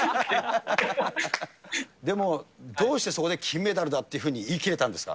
でも、どうしてそこで金メダルだっていうふうに言いきれたんですか。